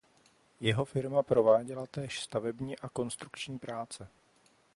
Jeho firma prováděla též stavební a konstrukční práce.